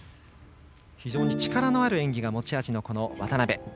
非常に力のある演技が持ち味の渡部。